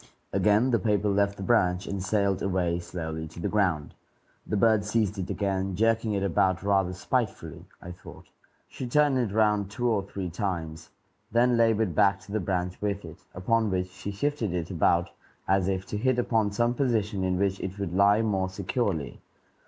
Again the paper left the branch, and sailed away slowly to the ground. The bird seized it again, jerking it about rather spitefully, I thought; she turned it round two or three times, then labored back to the branch with it, upon which she shifted it about as if to hit upon some position in which it would lie more securely.